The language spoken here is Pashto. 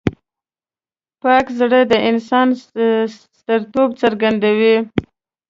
پاک زړه د انسان سترتوب څرګندوي.